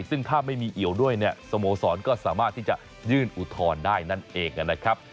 ซึ่งถ้าไม่มีเอี่ยวด้วยเนี่ยสโมสรก็สามารถที่จะยื่นอุทธรณ์ได้นั่นเองนะครับ